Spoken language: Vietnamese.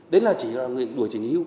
đấy là chỉ là người điều chỉnh nghỉ hưu